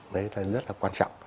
đấy là rất là quan trọng